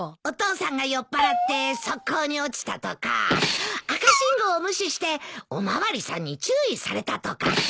お父さんが酔っぱらって側溝に落ちたとか赤信号を無視してお巡りさんに注意されたとか。